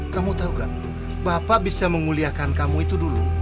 kamu tau gak bapak bisa menguliakan kamu itu dulu